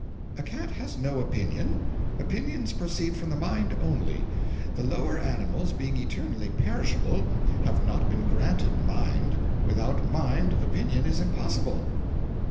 'A cat has no opinion; opinions proceed from the mind only; the lower animals, being eternally perishable, have not been granted mind; without mind opinion is impossible.'